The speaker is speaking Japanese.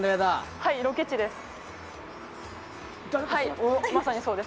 はい、ロケ地です。